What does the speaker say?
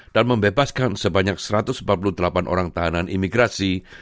dan membebaskan sebanyak satu ratus empat puluh delapan orang tahanan imigrasi